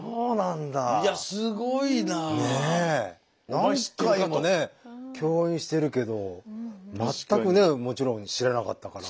何回もね共演してるけど全くねもちろん知らなかったから。